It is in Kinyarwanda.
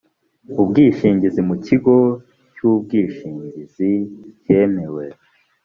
ubwishingizi mu kigo cy ubwishingizi cyemewe